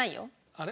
あれ？